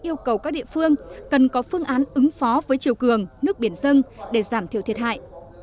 yêu cầu các địa phương cần có phương án ứng phó với chiều cường nước biển dân để giảm thiểu thiệt hại